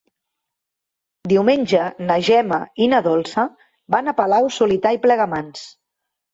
Diumenge na Gemma i na Dolça van a Palau-solità i Plegamans.